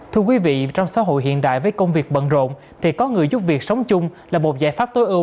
thưa quý vị trong xã hội hiện đại với công việc bận rộn thì có người giúp việc sống chung là một giải pháp tối ưu